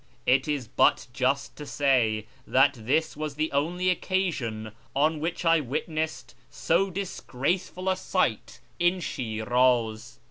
It is but just to say that this was the only occasion on which I witnessed so disgraceful a sight in Shiraz.